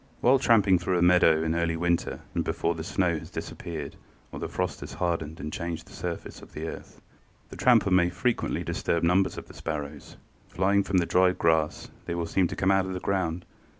While tramping through a meadow in the early winter and before the snow has disappeared or the frost has hardened and changed the surface of the earth, the tramper may frequently disturb numbers of the sparrows. Flying from the dried grass they will seem to come out of the ground.